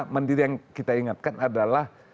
mandiri yang kita ingatkan adalah